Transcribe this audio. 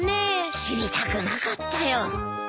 知りたくなかったよ。